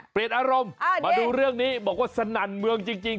เปลี่ยนอารมณ์มาดูเรื่องนี้บอกว่าสนั่นเมืองจริง